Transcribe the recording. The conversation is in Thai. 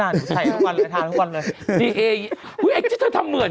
ต้องทำสิต้องทำสิ